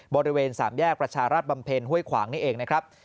บริเวณสามแยกประชารัฐบำเพ็ญห้วยขวางนี่เองนะครับ